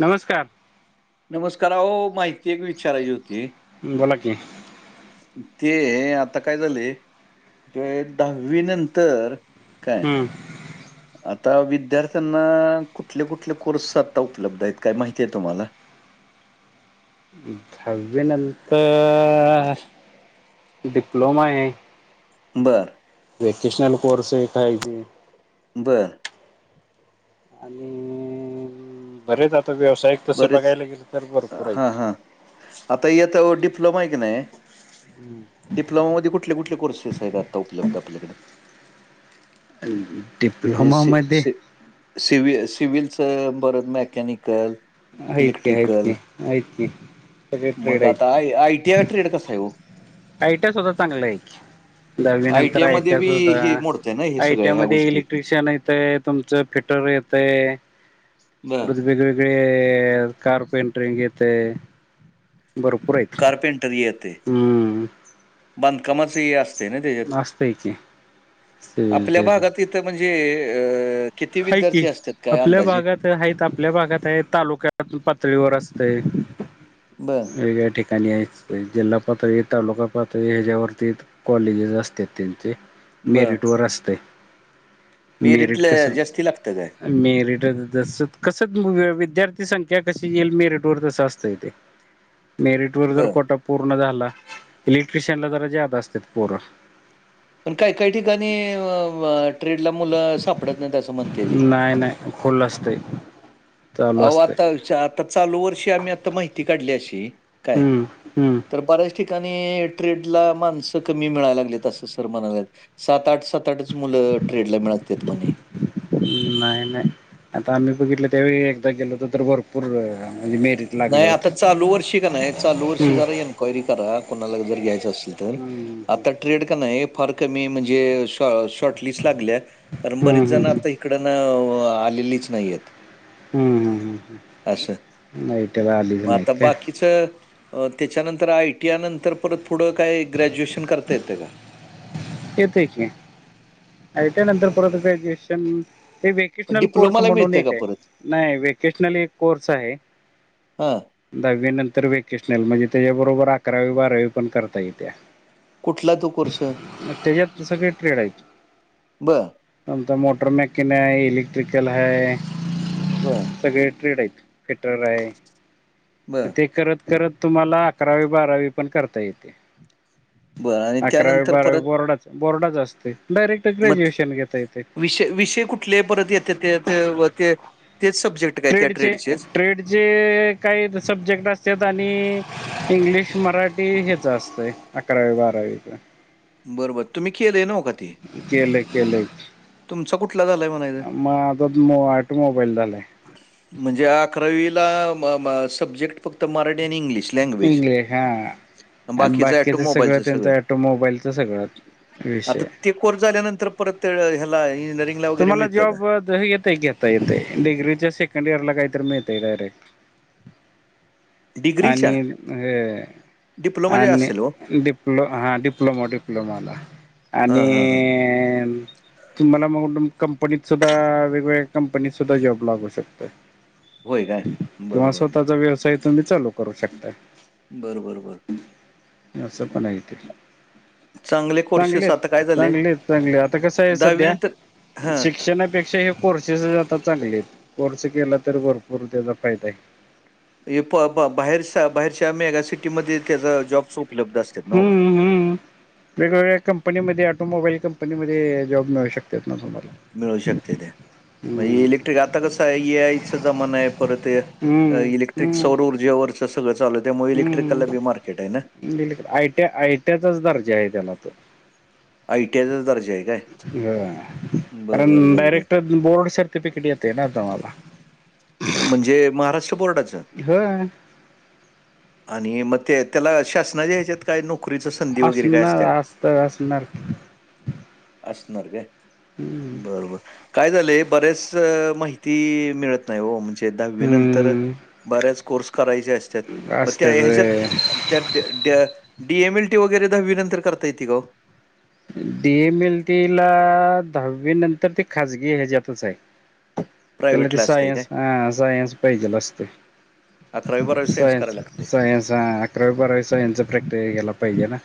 नमस्कार नमस्कार अह माहिती एक विचारायची होती बोला कि ते आता काय झाले म्ह दहावी नंतर काय, हम्म. आता विद्यार्थ्यांना कुठले कुठले कोर्स आता उपलब्ध आहेत काय माहिती आहे तुम्हाला हम् हहावीनंतर डिप्लोमा आहे. बरं. वेकेशनल कोर्स हे काायज बरं आणि बरेच आता व्यवसायिक बरच हा हा आता येत डिप्लोमा आहे की नाही हम्म डिप्लोमामध्येध्ये कुठले कुठले कोर्सेस आहेत आता उपलब्ध आपल्याकडे डिप्लोमामध्ये सिव्ह सिव्हलचं बरत मॅकॅनिकल यतक यतक यतक मग आता आय आयटीआय ट्रेड कसा आहे हो. ऐट स्वधा तांगलाय. दहावी नंतर आय-टी-आयमध्ये आयटी बी सुद्धा हे मोडतंय ना, हे आयटी सगळ्या ह्या म गोष्टी? इलेक्ट्र श्षण येतय तुमचं फिटर येतय बर. वेगवेग. सगळे कार्पेंटरिंग घेत आहे. भरपूर आहेत. कारपेटरी आहेथे. हम. बांंदकामच असतते. ना त्याच्यात असतय की सिव्हिल आपल्या ते भागात इथ म्हणजे अ. किती विद्यार्थी असतात काय अंदाजे ह आपल्या भागात आहे तालुक्यात पातळीवर असतय बर. वेग ठठीक. आणि जिल्हा पातळी तालुका पातळी ह्याच्यावरती कॉलेजेस असते त्यांचे मेरिटवर असते. मी मेरिट कस रिटलं जास्ती लागतं काय? मेरिट तस कस विद्यार्थी संख्या कशी येईल मेरिट वर तस असतंय तेे [unintelligible] मेरिट वर जर बर कोटा पूर्ण झाला इलेक्ट्रिशियनला जरा जादा असते पूरं. पण काही काही ठिकाणी ट्रेडला मुलं सापडत नाही असं म्हणतेय ती खुोल असते. अह आता आता चालू वर्षी आम्ही आता माहिती काढली अशी काय हम्म हम्म तर बरेच. ठिकाणी ट्रेड ला माणसं कमी मिळायला लागत असं सर म्हणालेत. सात आठ सात आठच मुलं ट्रेड ला मिळतते म्हणे. नाही नाही आता आम्ही बघितलं त्यावेळी एकदा गेलो तर तर भरपूर मेरिट लागलं नाही आता होतं. चालू वर्षी का नाही चालू वर्षी हम्म. जारा ये न. क्वेरी करा कोणाला जर घ्यायचं असेल तर हम्म आता ट्रेड का नाही हे फार कमी म्हणजे श शॉर्ट लिस्ट लागल्या. कारण हम्म बरीच हम्म जण आता इकडन आलेलीच नाहीयेत. हम्म हम्म हम् असं. हम् नाहीईटेला आलज मग आता नाहीयक बाकीचं त्याच्यानंतर आयटीआ नंतर परत थोडं काय ग्रॅज्युएशन करता येतं का? येत क त्यानंतर परत ग्रजुएशन ते व वकेशनल कोर्स डिप्लोमाला म्हणून मिळतं का एक आहे परत? नाही वकेशनल एक कोर्स आहे. हां, दहावी नंतर वेकेशनल म्हणजे त्याच्याबरोबर अकरावी बारावी पण करता येत्या. कुठला तो कोर्स त्याच्यात सगळं काही ट्रेड आहे. बरं, आता मोटर मॅकन है इलेक्ट्रिकल आहे बरं सगळे ट्रेड आहेत फिटर आहे बरं, ते करत तर तुम्हाला अकरावी बारावी पण करता येते बरं आणि अकरावी त्यानंतर बारावी परत बोर्ड बोर्डाच असते डायरेक्ट मग ग्रॅज्युएशन घेता येते विषय विषय कुठ? तले परत येत ते तेच सब्जेक्ट काय त्या ट्रेडचे ट्रेडचेच? ट्रेड. जे काही सब्जेक्ट असत आणि इंग्लिश मराठी ह्याचं असतं. अकरावी बारावीच बरोबर तुम्ही केलंय ना का तेी केले केले कुठला झालाय म्हणायचं? म आ टोमबाईल झाले. म्हणजे अकरावीला सब्जेक्ट फक्त मराठी आणि इंग्लिश लँग्वेज. इंग्लीश हा बाकीचं बाकी सगळ ऑटोमोबाईलचं त्यांच सगळं. त मोबाईलचा सगळच आता विषय ते कोर्स झाल्यानंतर परत ते ह्याला इंजिनिअरि, तुम्हाला जॉब येते घेता येतेय डिग्रीच्या सेकंड इयरला काहीरी मिळतय डायरेक्ट डिग्रीच्या? आणि हे डिप्लोमाच्या आणि असेल हो. डिप्लो हा डिप्लोमा डिप्लोमाला हां, आणि हां, हां. तुम्हाला मगून कंपनीत सुद्धा वेगवेगळ्या कंपनीत सुद्धा जॉब लागू शकतोय. होय काय? किवा बरोबर. स्वतःचा व्यवसाय तुम्ही चालू करू शकता. बरं बरं बर. या असपण हे ते चांगले कोर्सेस चांगलेच आता काय झाले चांगलेच चांगले आता कसं आहे सध्या नंतर हां. शिक्षणापेक्षा हे. कोर्सेस आता चांगले आहेत कोर्स केला तर भरपूर त्याचा फायदा आहे. हे प प बाहेर बाहेरच्या मेगासिटीमध्ये त्याचा जॉब्स उपलब्ध असतात नबा हम्म हम्म वेगवेगळ्या कंपनीमध्ये ऑटोमोबाईल कंपनीमध्ये जॉब मिळू शकतात ना तुम्हाला मिळू शकत्याता म हम्म इलेक्ट्रिक आता कसं आहे एआय चा जमाना आहे परत हम्म इलेक्ट्रिक हम्म सवरर जे वर्चंसगळं चालू आहे त्यामुळे इक्ट्रिकलला बी मार्केट आहे ना बिलल आयट आयट्याचाच दर्जा आहे त्याना तो आय टी आयचा तर दर्जा आहे काय? हा बरं बरं कारण बरं बरं डायरेक्ट बोर्ड सर्टिफिकेट येते ना आता तूम्हाला म्हणजे महाराष्ट्र बोर्डाचं हा. आणि मग ते त्याला शासनाच्या हेच्यात काय नोकरीच संधी वगैरे काय असणार असत्या. असत असणार असणार काय बर बर काय झालंय बरेच माहिती मिळत नाही ओ म्हणजे दहावी नंतर हम्म बऱ्याच कोर्स करायचे असतात मग त्या असत्यात ह्याच्यात रे त्या डी एम एल टी वगैरे दहाविनंतर करता येते ओ. डीएम एल टी ला दहावी नंतर ते खाजगी ह्याच्यातच आहे. त्याला ते प्रायव्हेटला असतंय काय सायन्स हा सायन्स पाहिजे असतय. अकरावी बारावी सायन्स करायला लागते सायन्स हां. बरास यांच प्रॅक्टिकल केला पाहिजे ना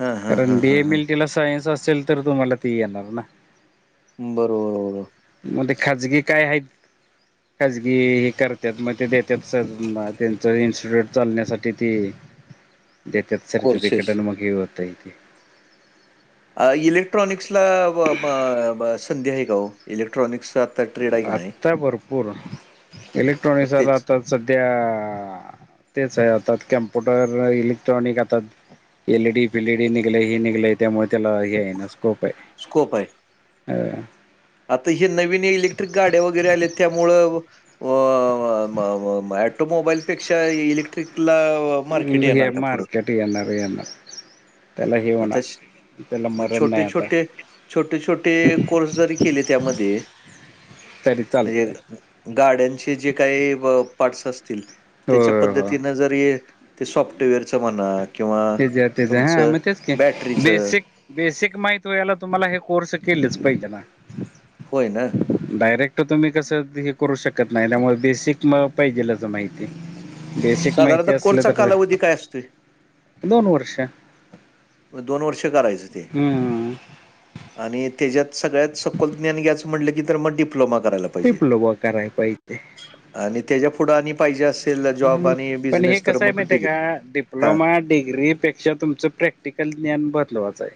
हां, हां, कारण हां, डे हां, हां. मिल.. तिला सायन्स असेल तर तुम्हाला ती येणार ना. बरोबरर.. मध्ये खाजगी काय आहेत. खाजगी हे करतात मग ते देतात त्यांचं इन्स्टिट्यूट चालण्यासाठी ते.. [unintelligible] जेत कोर्सेस. सर्टिफिकेट अनमुखी होततील. इलेक्ट्रॉनिक्सला संधी आहे का हो इलेक्ट्रॉनिक्सात आता भरपूर मग इलेक्ट्रॉनिक्स तेच आता सध्या... तेच आहे आतर कम्प्युटर इलेक्ट्रॉनिक आतात.. एल डी फिलडी निघलय हे निघलय त्यामुळे त्याला... हे आहे ना स्कोप आहे. स्कोप आहे. अ.. आता हे नवीन इलेक्ट्रिक गाड्या वगैरे आल्या त्यामुळ.. अ ऑटोमोबाईलपेक्षा इलेक्ट्रिक.. टला मार्केट येणार का पुढं? डी एन आ व एन.. पतश‌... मग मरण नाही छोटे- आता छोटे, छोटे -छोटे कोर्स जरी केले त्यामध्ये. तरी म्हणजे चालतंय. गाड्यांचे जे काही पार्टस असतील हो त्याच्या हो पद्धतीन जर हे... ते सॉफ्टवेअरचं म्हनात.. तेजा तेजा हा म... बॅटरीचं बेसिक बेसिक माहित व याला तुम्हाला हे कोर्स केलेच पाहिजे ना. होय ना. डायरेक्ट तुम्ही कस हे करू शकत नाही त्यामुळे बेसिक म पाहिजेलं माहिती. बेसिक माहिती साधारणतः असलं कोर्सचा तर, कालावधी काय असतोय? दोन वर्ष. म दोन वर्ष करायचं. ते हम्ममम. आणि त्याच्यात सगळ्यात सोकोल ज्ञान घ्यायच म्हटलं की तर मग डिप्लोमा करायला. पाहिजे डिप्लोबा कराय पाहिजे. आणि त्याच्या पुढं आणि पाहिजे अस.. ह् पण हे कसं आहे माहिती आहे का हां, डिप्लोमा... डिग्रीपेक्षा तुमचं प्रॅक्टिकल ज्ञान बदलवायचं आहे.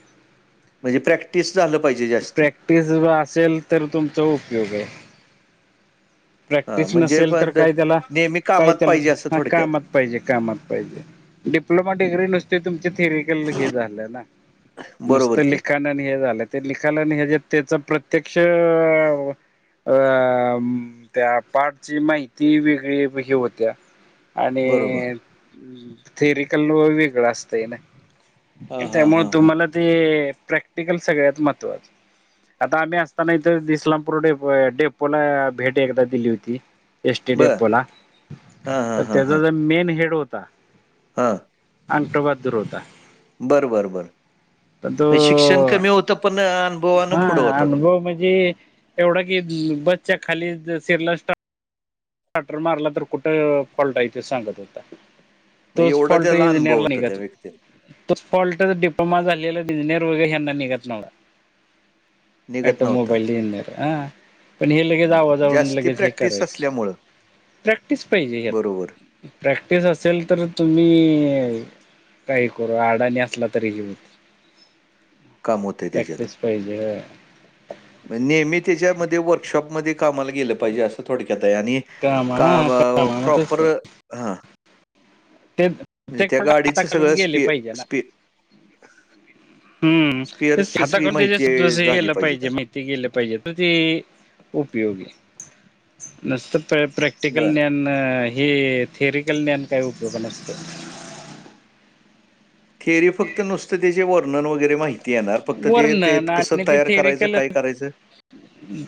म्हणजे प्रॅक्टिस झालं पाहिजे जास्ती. तेज असेल तर तुमचा उपयोग हे. हां, प्रॅक्टिस म्हणजे नसेल तर मग काही त्याला नेहमी काही कामात त्याला पाहिजे असं ह थोडक्यात. कामात पाहिजे कामात पाहिजे. डिप्लोमा डिग्री नुसते तुमचे थेरिकल हे झालं ना. बरोबर नुसतं की. लिखाानन हे झालं ते लिखानन हे जे त्याच प्रत्यक्ष... अ त्या पाठची माहिती वेगळी हे होत्या. आणि बरोबर. थेरिकल व वेगळं असतंय ना. हां, हां, त्यामु हां, हां. तुम्हाला ते प्रॅक्टिकल सगळ्यात महत्वात.. आता आम्ही असताना इथ दिस्लामपूर डेप डेप्पोला भेट एकदा दिली होती. एसटी बरं. डेफो ला हां, हां, तर त्याचा जर मेन हेड होता. हा. अंठोबा दूर होता बर बर बर तर तो शिक्षण कमी होतं पण अनुभवानं हा पुढं होता तो. अनुभव म्हणजे एवढा की बसच्या खाली सिरला्ट स्टर मारला तर कुठं पलटायचं सांगत होता मग तुस एवढा त्याला फॉल्ट्री अनुभव निर्लाणी होता त्या करते व्यक्तीला. तो फॉल्ट डिप्लोमा झालेला इंजिनिर वगैरे यांना निघत नव्हला निघत नव्हता. ऑटोमोबाईल इंजििअर हा पण हे लगेच मग आवाजावरून जास्ती लगेच हे प्रॅक्टिस करायचं असल्यामुळं प्रॅक्टिस पाहिजे बरोबर हत प्रॅक्टिस असेल तर तुम्ही काही करू आडानी असला तरी घेऊ काम होतंय त्याच्यात. प्रॅक्टिस पाहिजे नेहमी त्याच्यामध्ये वर्कशॉपमध्ये कामा गे पाहिजे अस थोडक्यात आणि काम हा काम मग तेच प्रप की ह ते म्हणजे प्रत्येक त्या फॉल्ट हाता गाडीच खालून सगळं गेले स्पी पाहिजे ना स्पी... हम्म स्पेअर्सची सगळी हाताकून त्यास माहिती झाली केलं पाहिजे त्याला. माहि... ते गेले पाहिजे तर ते उपयोगी, नसत बरं. प्रॅटिकल... हे थेरिकल ज्ञान काय उपयोग नसतं. थेरी फक्त नुसततेचे वर्णन वगैरे माहीत.. ते येणार फक्त ते ते वर्णन आणि कसं ते तयार करायचं थेरिकल काय करायचं..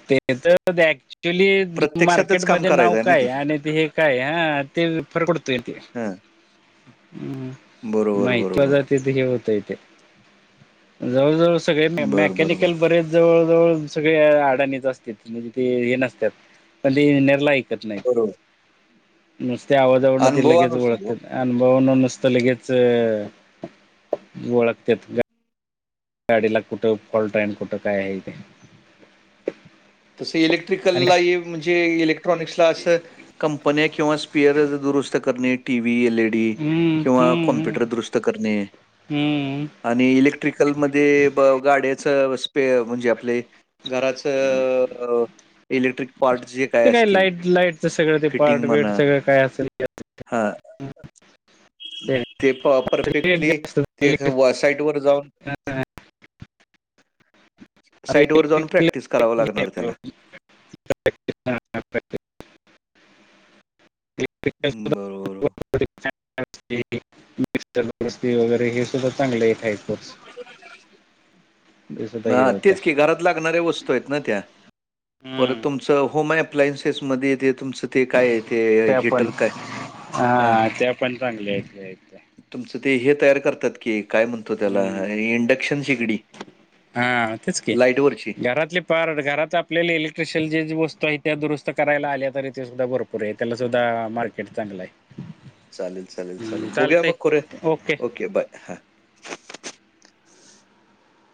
ते तर ऍक्च्युली प्रत्यक्षातच काम मार्केटमध्ये करायचं नाव आहे ना ते. काय आणि ते.. काय हा ते फरकडतोय ते हां. हम् बरोबर, महित्वा बरोबर. जात हे गतयते जवळ जवळ सगळे बरं, बरं, बरं. मॅकॅनिकल बरे जवळ जवळ सगळे आडाणीच असत म्हणजे ते हे नसतात पण ते नेरलाय नाही बरोबर. नुसते आवाजवड ति लगेच अनुभवानुसार हो. ओळखत अनुभव न नुसतं लगेच ओळखते गाडीला कुठं फॉल्ट आहे कुठं काय आहे इथे तस इलेक्ट्रिकलला ण इलेक््र कंपन किंवा दुरुी् एल हम्म किं हम्म कमपुटर दरु हम्म आणि इलेक्ट्रिकलमध्येध्ये गाड्याच स्पे म्हणजे आपले घराच इलेक्ट्रिक पार्टस जे ते काय असतील लाईट लाईटच सगळं ते पार्ट फिटिंग वेट म्हणा सगळं काय असेल हा ते प परफेक्टली जास्त ते साईट वर जाऊन साईड वर जाऊन प्रॅक्टिस कराव लागणार त्याला इलेक्ट्रिक इलेक्ट्रिकल बरोबर. हो. सुद्धा वगैरे हे सुद्धा चांगले यार्स हे होते तेच क घरात लाग्या वतू आहेत हम्म त्याुम स होोम अप्लायनसेसमध्येध्येे तेेथून स ते काय ते त्या पण हिटर काय हा त्या पण चांगल्या आहेत हे आहेत तुमचं ते हे तयार करतात की काय म्हणतो त्याला हम्म इंडक्शन शिगडी हा तेच की घरातले प घरात आपल्याले इलेक्ट्रिशियल जी वस्तू आहे त्या दुरुत करायला आल्या तरी तेे सुद्धा बरोबर पुर त्याला सुद्धा मार्केट चांगलं आहे चालेल चालेल हम्म चालेल बघूया चालतंय मग खरे ओके बाय हा